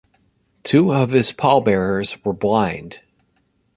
Two of his pallbearers were blind.